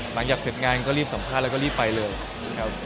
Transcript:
หลังจากเสร็จงานก็รีบสัมภาษณ์แล้วก็รีบไปเลยครับ